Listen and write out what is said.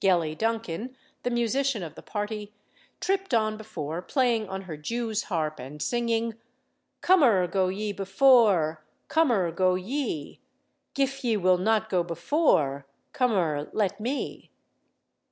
Gellie Duncan, the musician of the party, tripped on before, playing on her Jew's harp and singing, "Cummer, go ye before, cummer, go ye; Gif ye will not go before, cummer, let me!"